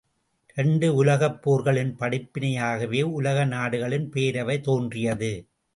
இரண்டு உலகப் போர்களின் படிப்பினையாகவே உலக நாடுகளின் பேரவை தோன்றிற்று.